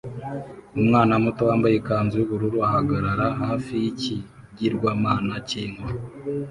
Umwana muto wambaye ikanzu yubururu ahagarara hafi yikigirwamana cyinka